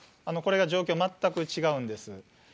これが状況、全く違うんです。